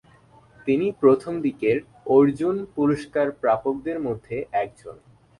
তিনি প্রথমদিকের অর্জুন পুরস্কার প্রাপকদের মধ্যে একজন।